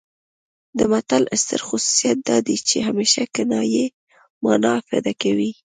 د متل ستر خصوصیت دا دی چې همیشه کنايي مانا افاده کوي